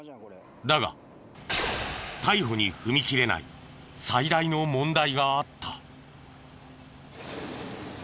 だが逮捕に踏み切れない最大の問題があった。